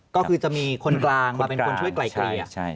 ก็คือจะมีคนกลางมาเป็นคนช่วยไกลเกลี่ย